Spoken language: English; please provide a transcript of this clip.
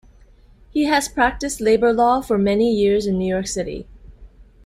He has practiced labor law for many years in New York City.